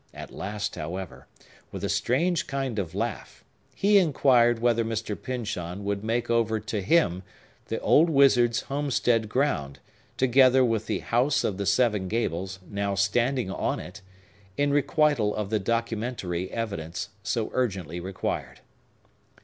At last, however, with a strange kind of laugh, he inquired whether Mr. Pyncheon would make over to him the old wizard's homestead ground, together with the House of the Seven Gables, now standing on it, in requital of the documentary evidence so urgently required.